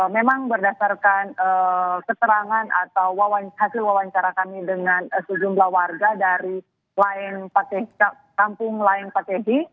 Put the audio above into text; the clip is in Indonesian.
memang berdasarkan keterangan atau hasil wawancara kami dengan sejumlah warga dari kampung lain pak tehi